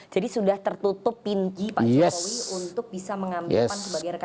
jadi sudah tertutup pinky pak jokowi untuk bisa mengambil pan sebagai rekan rekan